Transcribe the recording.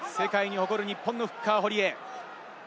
世界に誇る日本のフッカー・堀江。